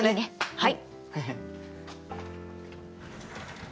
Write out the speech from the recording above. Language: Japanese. はい。